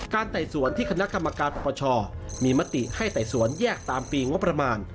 ไต่สวนที่คณะกรรมการปปชมีมติให้ไต่สวนแยกตามปีงบประมาณ